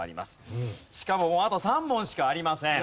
しかもあと３問しかありません。